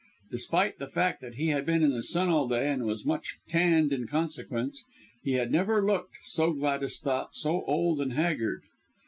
Despite the fact that he had been in the sun all day and was much tanned in consequence he had never looked so Gladys thought so old and haggard.